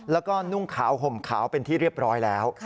แล้วก็นุ่งขาวห่มขาวเป็นที่เรียบร้อยแล้ว